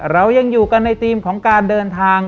เรายังอยู่กันในธีมของการเดินทาง